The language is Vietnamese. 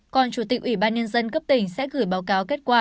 còn chủ tịch ủy ban nhân dân cấp tỉnh sẽ gửi báo cáo kết quả